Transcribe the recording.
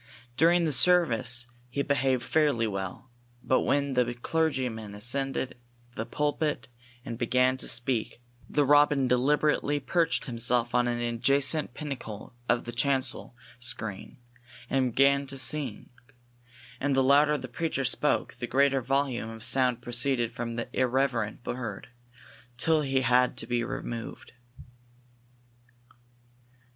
During the service he behaved fairly well, but when the clergyman ascended the pulpit and began to speak, the robin deliberately perched himself on an adjacent pinnacle of the chancel screen and began to sing, and the louder the preacher spoke the greater volume of sound proceeded from the irreverent bird, till he had to be removed.